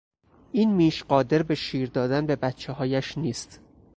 این میش قادر به شیردادن به بچههایش نیست.